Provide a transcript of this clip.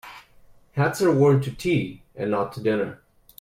Hats are worn to tea and not to dinner.